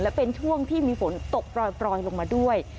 และเป็นช่วงที่มีฝนตกปล่อยลงมาด้วย